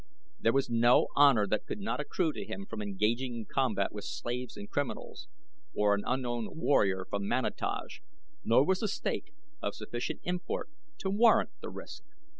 There was no honor that could accrue to him from engaging in combat with slaves and criminals, or an unknown warrior from Manataj, nor was the stake of sufficient import to warrant the risk.